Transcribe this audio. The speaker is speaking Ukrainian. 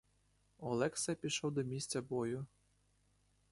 Олекса пішов до місця бою.